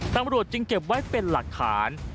ตำรวจจึงเก็บไว้เป็นหลักฐาน